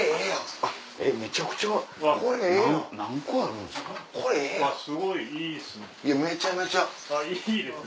あっいいですね。